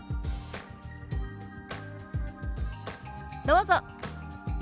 どうぞ。